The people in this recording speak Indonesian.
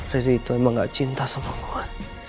riri itu emang gak cinta sama gua